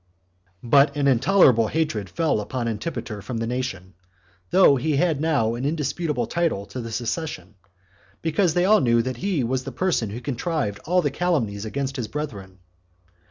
1. But an intolerable hatred fell upon Antipater from the nation, though he had now an indisputable title to the succession, because they all knew that he was the person who contrived all the calumnies against his brethren.